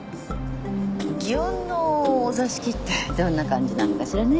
祇園のお座敷ってどんな感じなのかしらね。